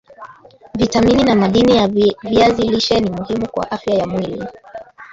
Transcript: vitamini na madini ya viazi lishe ni muhimu kwa afya ya mwili